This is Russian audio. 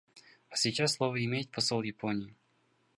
А сейчас слово имеет посол Японии.